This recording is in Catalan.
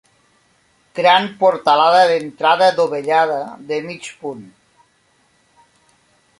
Gran portalada d'entrada dovellada de mig punt.